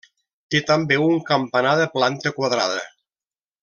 Té també un campanar de planta quadrada.